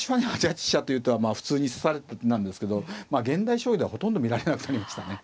８八飛車という手はまあ普通に指されてた手なんですけど現代将棋ではほとんど見られなくなりましたね。